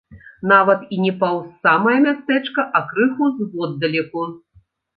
Нават і не паўз самае мястэчка, а крыху зводдалеку.